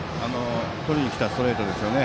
とりにきたストレートですよね。